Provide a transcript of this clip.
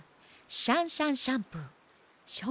シャンシャンシャンプー。